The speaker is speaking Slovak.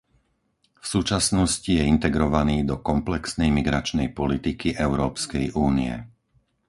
V súčasnosti je integrovaný do komplexnej migračnej politiky Európskej únie.